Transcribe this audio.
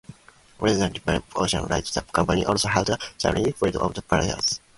Other than operating ocean liners, the company also had a significant fleet of freighters.